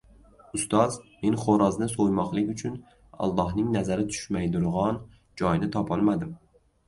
— Ustoz, men xo‘rozni so‘ymoqlik uchun Allohning nazari tushmaydurgon joyni topolmadim.